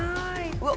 うわっ！